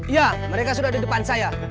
ya mereka sudah di depan saya